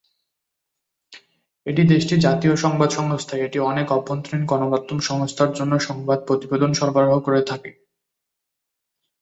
এটি দেশটির জাতীয় সংবাদ সংস্থা, যেটি অনেক অভ্যন্তরীণ গণমাধ্যম সংস্থার জন্য সংবাদ প্রতিবেদন সরবরাহ করে থাকে।